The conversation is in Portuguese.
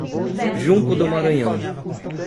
Junco do Maranhão